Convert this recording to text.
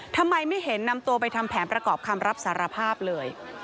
ทำไมไม่เห็นนำตัวไปทำแผนประกอบคำรับสารภาพเลย